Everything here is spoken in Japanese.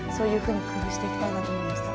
工夫していきたいなと思いました。